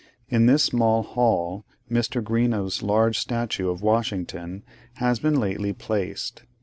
In this same hall Mr. Greenough's large statue of Washington has been lately placed.